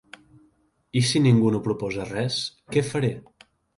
I si ningú no proposa res, ¿què faré?